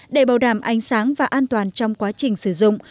để bảo đảm ánh sáng và an toàn trong quá trình sử dụng